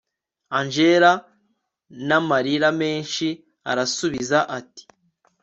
angella namarira menshi arasubiza ati